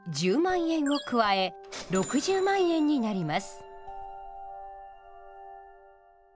１０万円を加え６０万円になります。